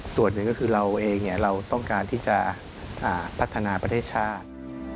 ส่วนหนึ่งก็คือเราเองเราต้องการที่จะพัฒนาประเทศชาติ